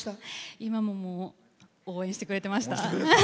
応援してくれてました。